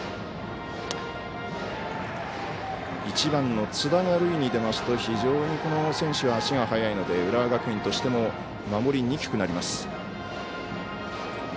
１番の津田が塁に出ますと非常に、この選手は足が速いので浦和学院としても守りにくくなります。